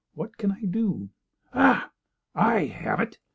What can I do? Ah, I have it!"